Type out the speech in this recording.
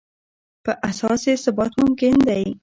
په اساس یې ثبات ممکن دی.